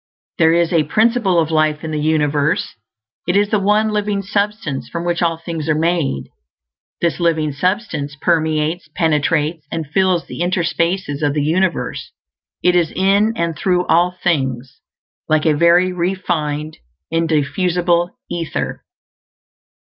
There is a Principle of Life in the universe; it is the One Living Substance from which all things are made. This Living Substance permeates, penetrates, and fills the interspaces of the universe; it is in and through all things, like a very refined and diffusible ether.